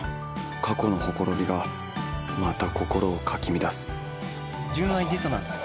過去のほころびがまた心をかき乱す。